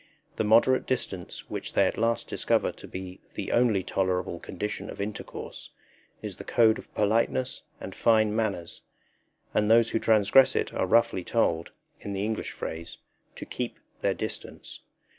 The moderate distance which they at last discover to be the only tolerable condition of intercourse, is the code of politeness and fine manners; and those who transgress it are roughly told in the English phrase to keep their distance.